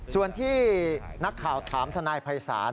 ส่วนที่นักข่าวถามทนายภัยศาล